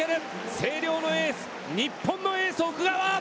星稜のエース日本のエース奥川！